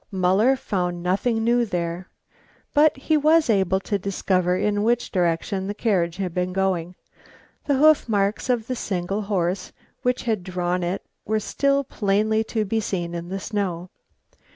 Muller found nothing new there. But he was able to discover in which direction the carriage had been going. The hoof marks of the single horse which had drawn it were still plainly to be seen in the snow.